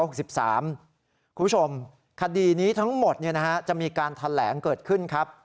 คุณผู้ชมคดีนี้ทั้งหมดจะมีการแถลงเกิดขึ้นครับ